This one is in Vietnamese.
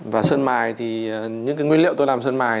và sơn mài thì những cái nguyên liệu tôi làm sơn mài